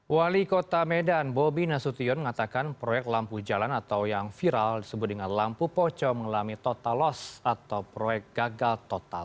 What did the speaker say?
wali kota medan bobi nasution mengatakan proyek lampu jalan atau yang viral disebut dengan lampu poco mengalami total loss atau proyek gagal total